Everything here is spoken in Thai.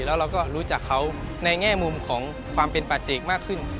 แล้วเราก็รู้จักเขาในแง่มุมของความเป็นป่าเจกมากขึ้น